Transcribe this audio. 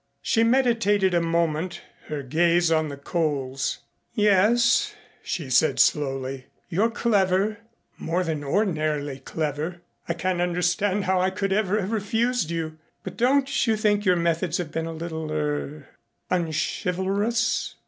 She meditated a moment, her gaze on the coals. "Yes," she said slowly, "you're clever more than ordinarily clever. I can't understand how I could ever have refused you. But don't you think your methods have been a little er unchivalrous?"